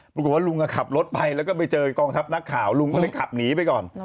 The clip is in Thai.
ปรากฏว่าลุงขับรถไปแล้วก็ไปเจอกองทัพนักข่าวลุงก็เลยขับหนีไปก่อน